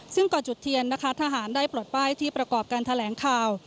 ซึ่งก่อนจุดเทียนนะคะทหารได้ปลดป้ายที่ประกอบการแถลงข่าว